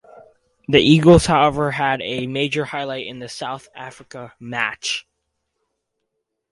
The Eagles, however, had a major highlight in the South Africa match.